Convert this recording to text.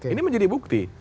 ini menjadi bukti